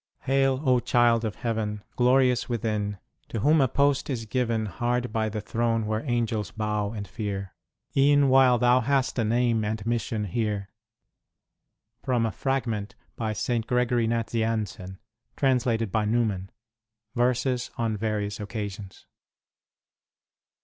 Hail ! O child of Heaven, Glorious within ! to whom a post is given Hard by the throne where angels bow and fear, E en while thou hast a name and mission here ! (From a Fragment] by St. Gregory Nasianzcn, translated by Nc%vman : Verses on Various Occasions.